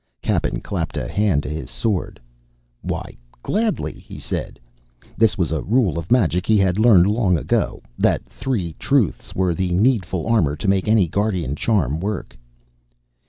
Cappen clapped a hand to his sword. "Why, gladly," he said; this was a rule of magic he had learned long ago, that three truths were the needful armor to make any guardian charm work.